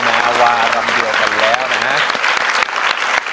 มาวารำเดียวกันแล้วนะฮะ